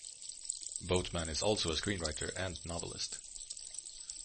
Boatman is also a screenwriter and novelist.